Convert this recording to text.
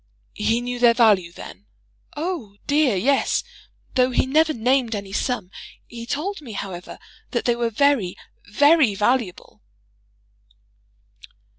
"He knew their value, then?" "Oh, dear, yes. Though he never named any sum. He told me, however, that they were very very valuable."